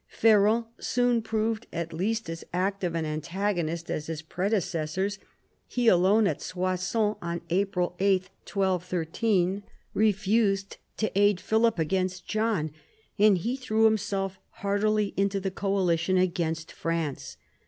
Ferrand soon proved at least as active an antagonist as his predecessors. He alone at Soissons, on April 8, 1213, refused to aid Philip against John; and he threw himself heartily into the coalition against France.